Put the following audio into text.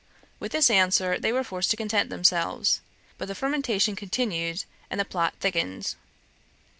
With this answer they were forced to content themselves; but the fermentation continued, and the plot thickened.